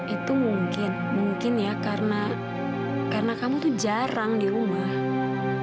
itu mungkin mungkin ya karena kamu tuh jarang di rumah